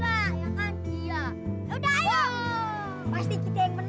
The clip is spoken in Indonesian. ayo cepetan tembus